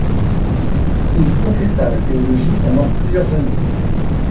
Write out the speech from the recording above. Il professa la théologie pendant plusieurs années.